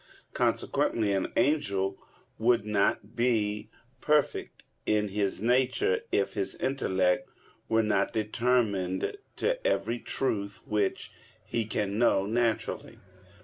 Consequently an angel would not be perfect in his nature, if his intellect were not determined to every truth which he can know naturally.